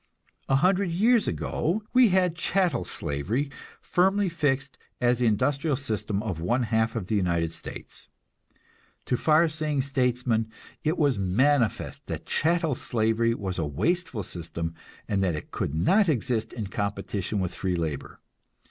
A hundred years ago we had chattel slavery firmly fixed as the industrial system of one half of these United States. To far seeing statesmen it was manifest that chattel slavery was a wasteful system, and that it could not exist in competition with free labor.